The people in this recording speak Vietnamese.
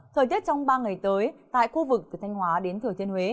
thời tiết trong ba ngày tới tại khu vực của thanh hóa đến thừa thiên